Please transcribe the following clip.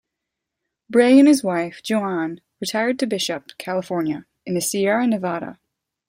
Bray and his wife, Joan, retired to Bishop, California, in the Sierra Nevada.